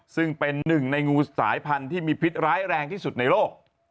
ซึ่งเป็นหนึ่งในงูสายพันธุ์ที่มีพิษร้ายแรงที่สุดในโลก